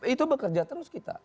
itu bekerja terus kita